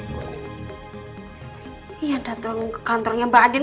ya dateng kantornya mbak anin